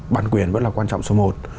bản quyền vẫn là quan trọng số một